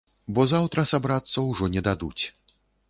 Бо заўтра сабрацца ўжо не дадуць.